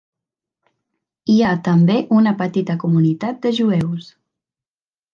Hi ha també una petita comunitat de jueus.